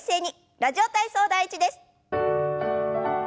「ラジオ体操第１」です。